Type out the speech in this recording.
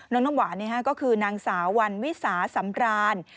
น้ำหวานก็คือนางสาววันวิสาสำราน